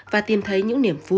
và tìm thấy những niềm vọng